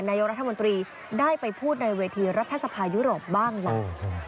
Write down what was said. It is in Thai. นายกรัฐมนตรีได้ไปพูดในเวทีรัฐสภายุโรปบ้างล่ะ